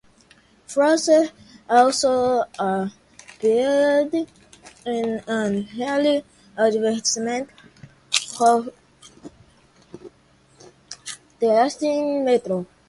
Fraser also appeared in an early advertisement for the Austin Metro.